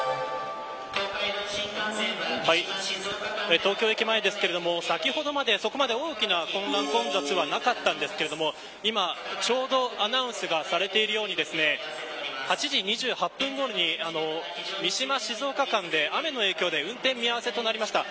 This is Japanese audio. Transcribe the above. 東京駅前ですが先ほどまで、大きな混乱などはなかったのですが今ちょうどアナウンスがされているように８時２８分ごろに三島、静岡間で雨の影響で運転見合わせとなりました。